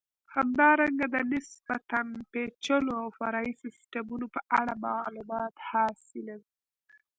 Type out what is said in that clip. همدارنګه د نسبتا پېچلو او فرعي سیسټمونو په اړه معلومات حاصلوئ.